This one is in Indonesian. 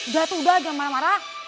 gatuh udah jangan marah marah